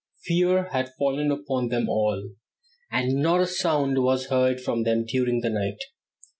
Fear had fallen upon them all, and not a sound was heard from them during the night.